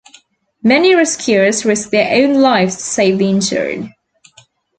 Many rescuers risk their own lives to save the injured.